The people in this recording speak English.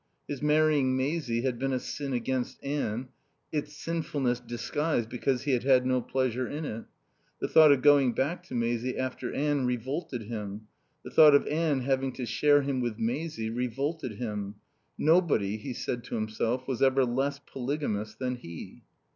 His marrying Maisie had been a sin against Anne, its sinfulness disguised because he had had no pleasure in it. The thought of going back to Maisie after Anne revolted him; the thought of Anne having to share him with Maisie revolted him. Nobody, he said to himself, was ever less polygamous than he.